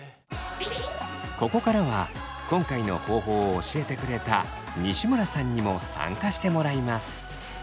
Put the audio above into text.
ここからは今回の方法を教えてくれた西村さんにも参加してもらいます。